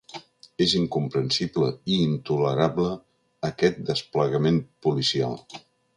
És incomprensible i intolerable aquest desplegament policial.